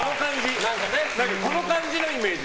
この感じのイメージ。